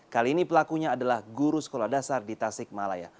kali ini pelakunya adalah guru sekolah dasar di tasik malaya